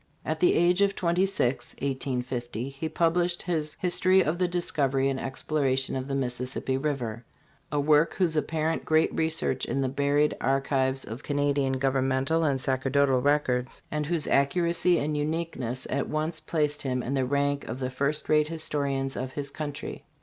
At the age of twenty six (1850), he published his " History of the Discovery and Exploration of the Mississippi River," a work whose apparent great research in the buried archives of Canadian govern mental and sacerdotal records, and whose accuracy and uniqueness, at once placed him in the rank of the first rate historians of his country.